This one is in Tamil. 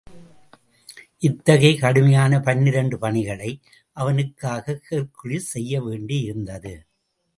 இத்தகைய கடுமையான பன்னிரண்டு பணிகளை அவனுக்காக ஹெர்க்குலிஸ் செய்ய வேண்டியிருந்தது.